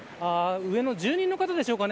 上の住人の方でしょうか。